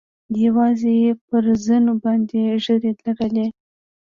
او يوازې يې پر زنو باندې ږيرې لرلې.